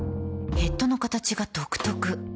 ヘッドの形が独特